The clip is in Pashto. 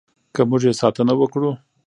که موږ یې ساتنه وکړو.